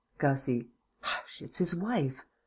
Gussie. 'Hush! It's his wife!'